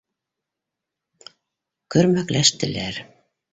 Көрмәкләштеләр.